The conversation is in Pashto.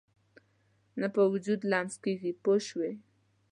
نه په وجود لمس کېږي پوه شوې!.